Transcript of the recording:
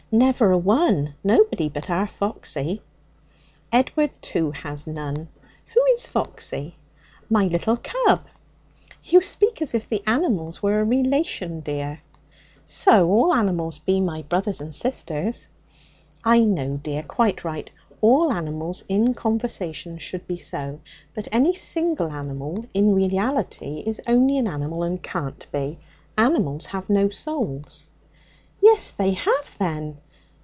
'Never a one. Nobody but our Foxy.' 'Edward, too, has none. Who is Foxy?' 'My little cub.' 'You speak as if the animals were a relation, dear.' 'So all animals be my brothers and sisters.' 'I know, dear. Quite right. All animals in conversation should be so. But any single animal in reality is only an animal, and can't be. Animals have no souls.' 'Yes, they have, then!